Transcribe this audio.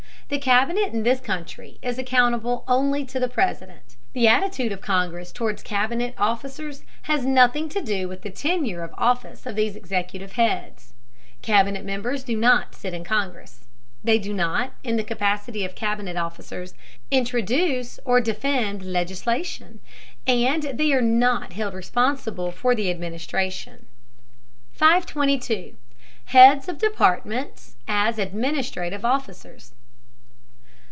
The Cabinet in this country is accountable only to the President. The attitude of Congress toward Cabinet officers has nothing to do with the tenure of office of these executive heads. Cabinet members do not sit in Congress; they do not, in the capacity of Cabinet officers, introduce or defend legislation; and they are not held responsible for the administration. 522. HEADS OF DEPARTMENTS AS ADMINISTRATIVE OFFICERS.